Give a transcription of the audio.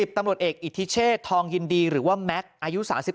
ตำรวจเอกอิทธิเชษทองยินดีหรือว่าแม็กซ์อายุ๓๒